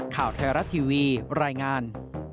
ข่าวไทยรัฐทีวีรายงาน